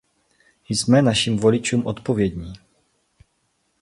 Jsme našim voličům odpovědní.